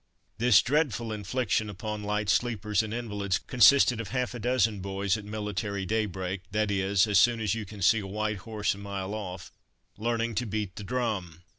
This dreadful infliction upon light sleepers and invalids consisted of half a dozen boys at military daybreak (that is, as soon as you can see a white horse a mile off) learning to beat the drum.